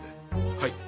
はい。